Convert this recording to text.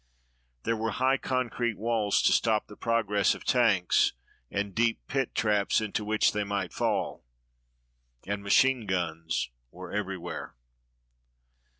There were high concrete walls to stop the progress of tanks and deep pit traps into which they might fall. And machine guns were everywhere.